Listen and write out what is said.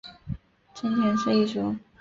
真田氏一族。